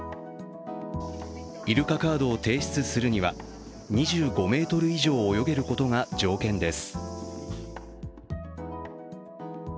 イルカカードを提出するには２５ｍ以上泳げることが条件です。